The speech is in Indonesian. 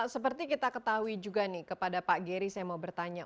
seperti kita ketahui juga nih kepada pak geri saya mau bertanya